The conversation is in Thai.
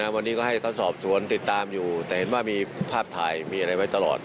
วันนี้ก็ให้เขาสอบสวนติดตามอยู่แต่เห็นว่ามีภาพถ่ายมีอะไรไว้ตลอด